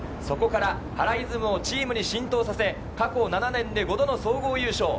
そこから原イズムをチームに浸透させ、過去７年で５度の総合優勝。